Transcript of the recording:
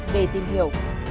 để tìm hiểu